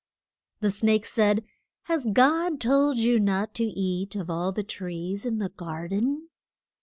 The snake said: Has God told you not to eat of all the trees in the gar den?